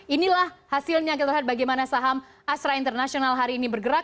inilah hasilnya kita lihat bagaimana saham astra international hari ini bergerak